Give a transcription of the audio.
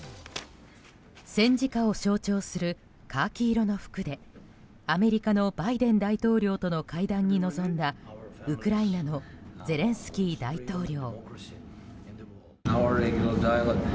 戦時下を象徴するカーキー色の服でアメリカのバイデン大統領との会談に臨んだウクライナのゼレンスキー大統領。